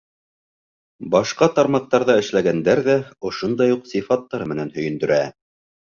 Башҡа тармаҡтарҙа эшләгәндәр ҙә ошондай уҡ сифаттары менән һөйөндөрә.